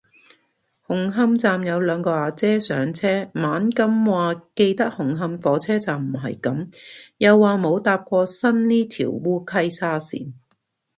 紅磡站有兩個阿姐上車，猛咁話記得紅磡火車站唔係噉，又話冇搭過新呢條烏溪沙綫